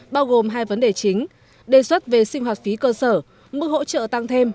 bao gồm hai vấn đề chính đề xuất về sinh hoạt phí cơ sở mức hỗ trợ tăng thêm